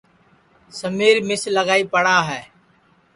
سمِیر مِس لگائی پڑا ہے